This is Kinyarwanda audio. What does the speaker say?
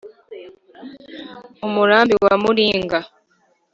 umurambi wa muringa